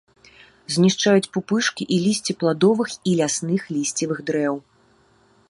Знішчаюць пупышкі і лісце пладовых і лясных лісцевых дрэў.